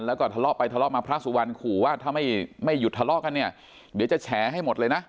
แล้วก็ทะเลาะไปทะเลาะมาพระสุวรรณขู่ว่าถ้าไม่หยุดทะเลาะกันเนี่ยเดี๋ยวจะแฉให้หมดเลยนะ